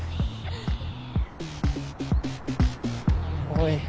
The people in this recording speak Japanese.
おい！